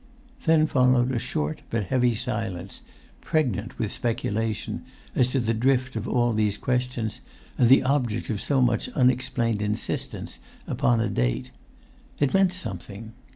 Then followed a short but heavy silence, pregnant with speculation as to the drift of all these questions and the object of so much unexplained insistence upon a date. It meant something.